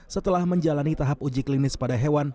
setelah menjalani tahap uji klinis pada hewan